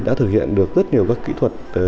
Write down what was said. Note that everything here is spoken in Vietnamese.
đã thực hiện được rất nhiều các kỹ thuật